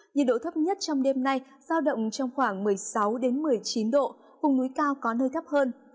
nhiệt độ thấp nhất trong đêm nay giao động trong khoảng một mươi sáu một mươi chín độ vùng núi cao có nơi thấp hơn